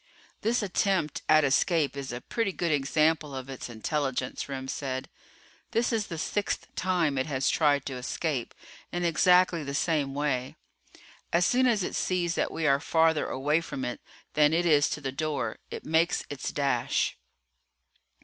"This attempt at escape is a pretty good example of its intelligence," Remm said. "This is the sixth time it has tried to escape in exactly the same way. As soon as it sees that we are farther away from it than it is from the door, it makes its dash."